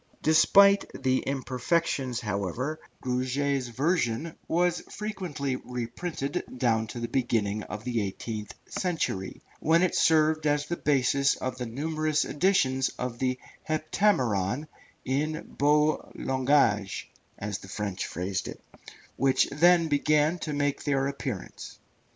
Despite its imperfections, however, Gruget's version was frequently reprinted down to the beginning of the eighteenth century, when it served as the basis of the numerous editions of the Heptameron in beau langage, as the French phrased it, which then began to make their appearance.